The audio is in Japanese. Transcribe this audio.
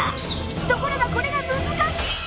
ところがこれがむずかしい！